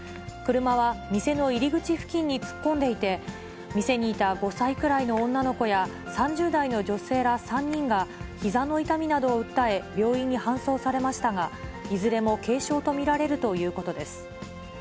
車は店の入り口付近に突っ込んでいて、店にいた５歳くらいの女の子や、３０代の女性ら３人がひざの痛みなどを訴え、病院に搬送されましたが、いずれも軽傷と見られるということです。